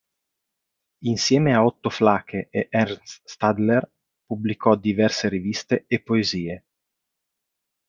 Insieme a Otto Flake e Ernst Stadler pubblicò diverse riviste e poesie.